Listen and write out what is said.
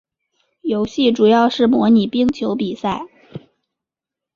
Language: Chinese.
游戏主要是模拟冰球比赛。